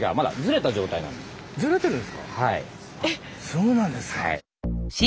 そうなんですか。